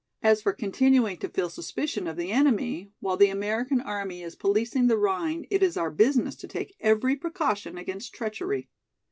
As for continuing to feel suspicion of the enemy, while the American army is policing the Rhine it is our business to take every precaution against treachery.